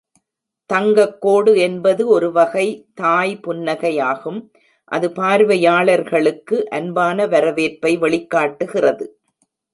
தங்கக் கோடு என்பது ஒருவகை தாய் புன்னகையாகும், அது பார்வையாளர்களுக்கு அன்பான வரவேற்பை வெளிக்காட்டுகிறது.